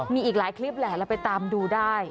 มีอีกหลายคลิปแหละเราไปตามดูได้